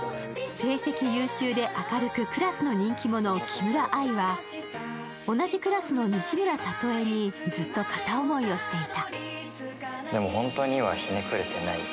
成績優秀で明るくクラスの人気者・木村愛は同じクラスの西村たとえにずっと片思いをしていた。